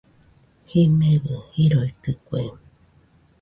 Jimebɨ jiroitɨkue